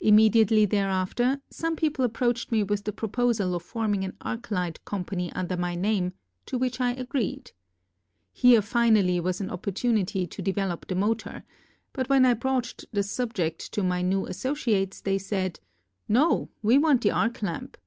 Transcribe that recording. Immediately thereafter some people ap proached me with the proposal of forming an arc light company under my name, to which I agreed. Here finally was an op portunity to develop the motor, but when I broached the subject to my new associates they said : "No, we want the arc lamp.